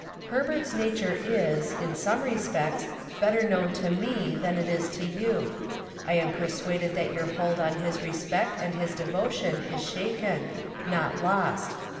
Herbert's nature is, in some respects, better known to me than it is to you. I am persuaded that your hold on his respect and his devotion is shaken not lost.